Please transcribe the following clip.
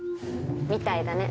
みたいだね。